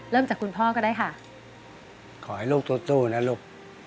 เริ่มจากคุณพ่อก็ได้ค่ะขอให้ลูกโตโตนะลูก